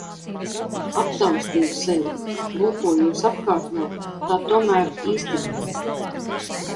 Aptaustīju sevi, lūkojos apkārtnē, tā tomēr īstenība.